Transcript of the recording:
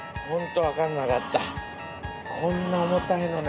こんな重たいのね。